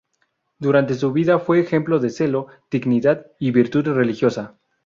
Durante su vida fue ejemplo de celo, dignidad y virtud religiosa.